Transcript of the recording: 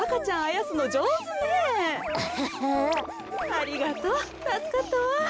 ありがとうたすかったわ。